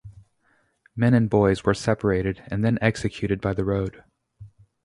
Men and boys were separated and then executed by the road.